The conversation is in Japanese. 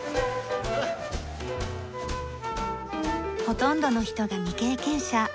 ほとんどの人が未経験者。